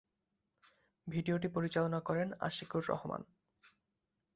ভিডিওটি পরিচালনা করেন আশিকুর রহমান।